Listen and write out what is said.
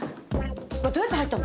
これどうやって入ったの？